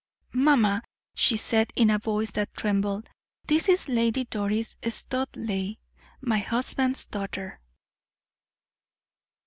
"Mamma," she said in a voice that trembled, "this is Lady Doris Studleigh, my husband's daughter."